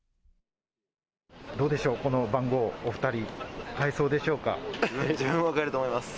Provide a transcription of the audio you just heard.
どうでしょう、この番号、お２人、自分は買えると思います。